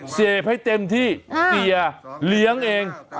เสพให้เต็มที่เสียเลี้ยงเอง